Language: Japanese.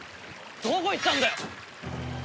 どこ行ってたんだよ！